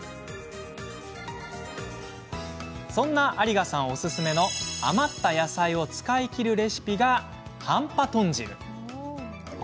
そんな有賀さんおすすめの余った野菜を使い切るレシピがハンパ豚汁。